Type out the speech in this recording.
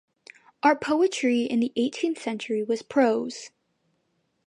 Our poetry in the eighteenth century was prose.